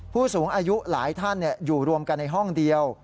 ผู้สูงอายุหลายท่านอยู่รวมกันในห้องเดียว